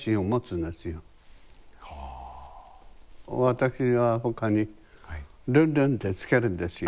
私は他に「ルンルン」って付けるんですよ。